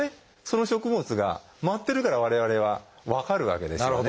その食物が舞ってるから我々は分かるわけですよね。